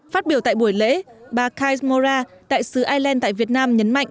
phát biểu tại buổi lễ bà kaj mora đại sứ ireland tại việt nam nhấn mạnh